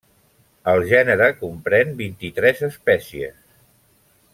El gènere comprèn vint-i-tres espècies.